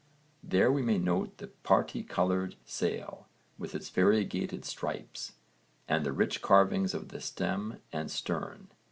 There we may note the parti coloured sail with its variegated stripes, and the rich carving of stem and stern.